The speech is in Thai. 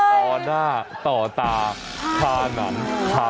ต่อหน้าต่อตาผ่านมทาบเขา